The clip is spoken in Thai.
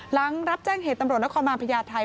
หลังรับแจ้งเหตุตำรวจนครบานพญาไทย